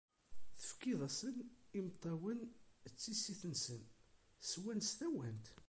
Tefkiḍ-asen imeṭṭawen d tissit-nsen, swan s tawant.